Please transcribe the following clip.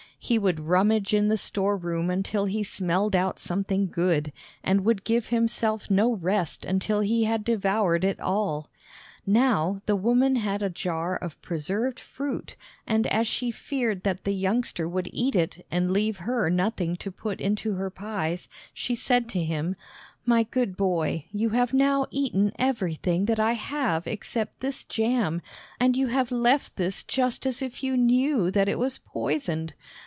He would rummage in the storeroom until he smelled out something good, and would give himself no rest until he had devoured it all. Now, the woman had a jar of preserved fruit, and, as she feared that the youngster would eat it and leave her nothing to put into her pies, she said to him: "My good boy, you have now eaten everything that I have except this jam, and you have left this just as if you knew that it was poisoned.